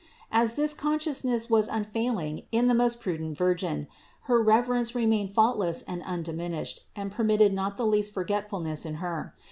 As this consciousness was unfailing in the most prudent Virgin, her reverence remained faultless and undiminished and permitted not the least forgetful ness in Her.